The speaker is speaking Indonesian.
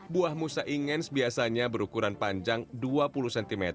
buah musa ingens biasanya berukuran panjang dua puluh cm